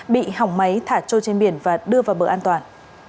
bị hỏng máy thả trôi trên biển và đưa vào bờ an toàn